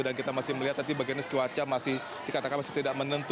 dan kita masih melihat tadi bagiannya cuaca masih dikatakan masih tidak menentu